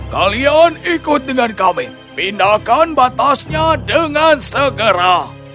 kalian ikut dengan kami pindahkan batasnya dengan segera